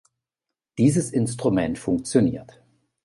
Dieses Instrument funktioniert.